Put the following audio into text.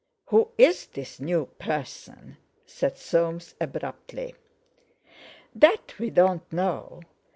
"Who is this new person?" said Soames abruptly. "That we don't know.